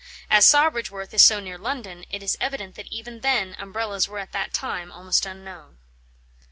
As Sawbridgeworth is so near London, it is evident that even then umbrellas were at that time almost unknown."